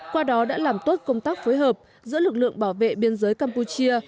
qua đó đã làm tốt công tác phối hợp giữa lực lượng bảo vệ biên giới campuchia